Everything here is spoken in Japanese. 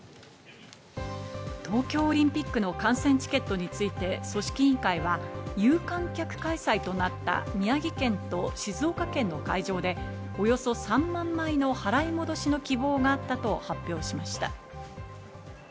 東京オリンピックの観戦チケットについて組織委員会は有観客開催となった宮城県と静岡県の会場でおよそ３万枚の払い戻しの希望があったと発表しました。